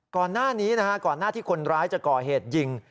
ก่อนหน้านี้นะฮะก่อนหน้าที่คนร้ายจะก่อเหตุยิง